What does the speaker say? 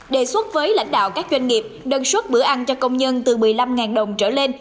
đề xuất với lãnh đạo các doanh nghiệp đơn xuất bữa ăn cho công nhân từ một mươi năm đồng trở lên